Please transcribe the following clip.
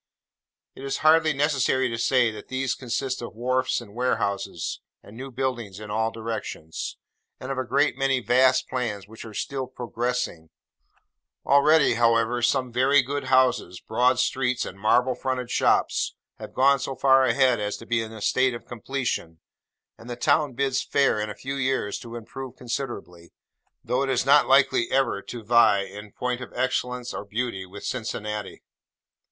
It is hardly necessary to say, that these consist of wharfs and warehouses, and new buildings in all directions; and of a great many vast plans which are still 'progressing.' Already, however, some very good houses, broad streets, and marble fronted shops, have gone so far ahead as to be in a state of completion; and the town bids fair in a few years to improve considerably: though it is not likely ever to vie, in point of elegance or beauty, with Cincinnati.